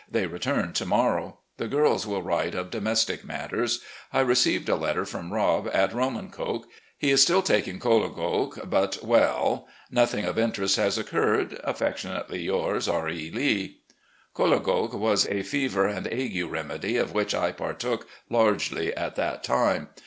They return to morrow. The girls will write of domestic matters. I received a letter from Rob at Romancoke. He is still taking cholagogue, but well. Nothing of interest has occurred. "Affectionately yours, "R. E. Lee." Cholagogue was a fever and ague remedy of which I partook largely at that time.